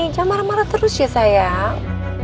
jangan marah marah terus ya sayang